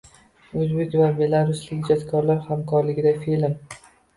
O‘zbek va belaruslik ijodkorlar hamkorligida film